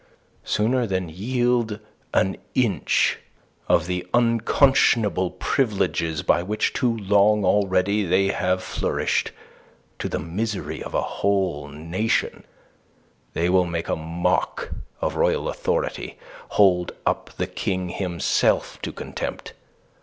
Sooner than yield an inch of the unconscionable privileges by which too long already they have flourished, to the misery of a whole nation, they will make a mock of royal authority, hold up the King himself to contempt.